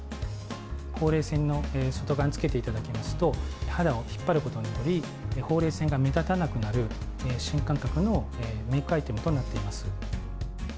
ほうれい線の外側につけていただきますと、肌を引っ張ることにより、ほうれい線が目立たなくなる、新感覚のメークアイテムとなっております。